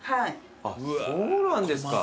そうなんですか。